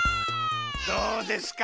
どうですか？